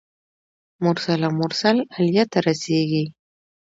مرسل او مرسل الیه ته رسیږي.